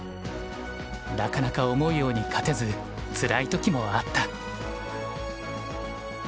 なかなか思うように勝てずつらい時もあった。